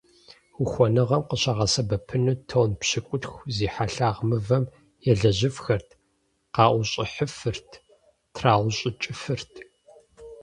Ухуэныгъэм къыщагъэсэбэпыну тонн пщыкӏутху зи хьэлъагъ мывэм елэжьыфхэрт, къаӏущӏыхьыфырт, траӏущӏыкӏыфырт.